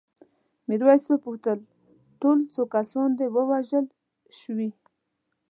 میرويس وپوښتل ټول څو کسان دي وژل شوي؟